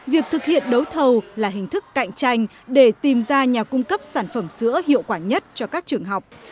việc thực hiện đấu thầu là hình thức cạnh tranh để tìm ra nhà cung cấp sản phẩm sữa hiệu quả nhất cho các trường học